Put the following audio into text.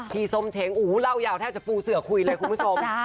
ส้มเช้งเล่ายาวแทบจะปูเสือคุยเลยคุณผู้ชม